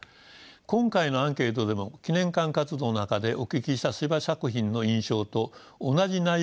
今回のアンケートでも記念館活動の中でお聞きした司馬作品の印象と同じ内容が多くありました。